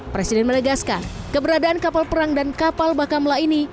presiden menegaskan keberadaan kapal perang dan kapal bakamla ini